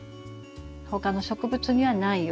他の植物にはないような。